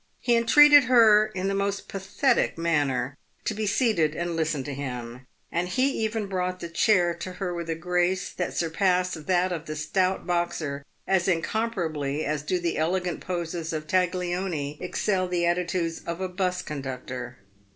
He entreated her in the most pathetic manner to be seated and listen to him, and he even brought the chair to her with a grace that surpassed that of the stout Boxer as incomparably as do the elegant poses of Taglioni excel the attitudes of a 'bus con ductor.